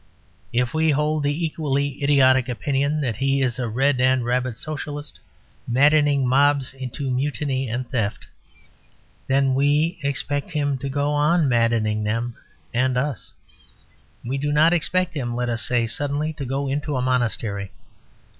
If we hold the equally idiotic opinion that he is a red and rabid Socialist, maddening mobs into mutiny and theft, then we expect him to go on maddening them and us. We do not expect him, let us say, suddenly to go into a monastery.